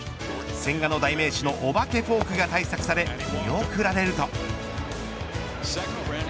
千賀の代名詞のお化けフォークが対策され見送られると。